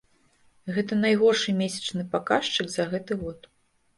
Гэта найгоршы месячны паказчык за гэты год.